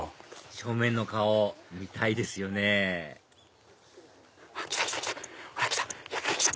正面の顔見たいですよね来た来た来た！